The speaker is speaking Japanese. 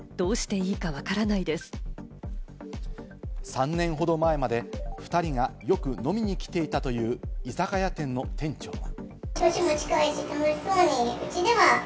３年ほど前まで２人がよく飲みに来ていたという居酒屋店の店長は。